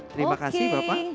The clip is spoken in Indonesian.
terima kasih bapak